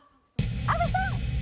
阿部さん